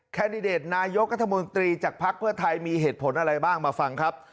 แดดิเดตนายกรัฐมนตรีจากภักดิ์เพื่อไทยมีเหตุผลอะไรบ้างมาฟังครับ